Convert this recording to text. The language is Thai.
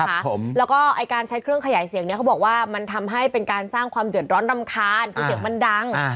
ครับผมแล้วก็ไอ้การใช้เครื่องขยายเสียงเนี้ยเขาบอกว่ามันทำให้เป็นการสร้างความเดือดร้อนรำคาญคือเสียงมันดัง